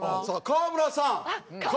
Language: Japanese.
川村さんも。